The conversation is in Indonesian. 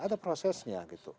ada prosesnya gitu